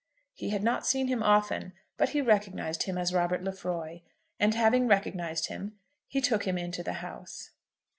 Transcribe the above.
He had not seen him often, but he recognised him as Robert Lefroy, and having recognised him he took him into the house.